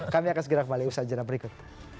kami akan segera kembali di usaha jalan berikut